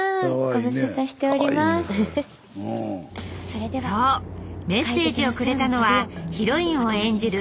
そうメッセージをくれたのはヒロインを演じる